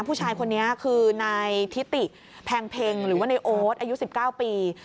ผู้ชายคนนี้คือในทิติพลีในโอะตอายุ๑๙ปี